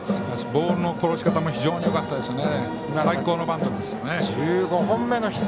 ボールの転がし方も非常によかったですね。